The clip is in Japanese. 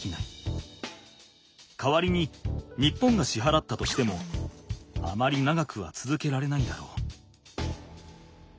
代わりに日本がしはらったとしてもあまり長くはつづけられないだろう。